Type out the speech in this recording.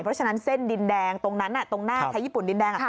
เพราะฉะนั้นเส้นดินแดงตรงนั้นตรงหน้าไทยญี่ปุ่นดินแดง